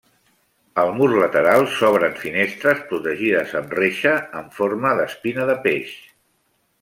Al mur lateral s'obren finestres protegides amb reixa en forma d'espina de peix.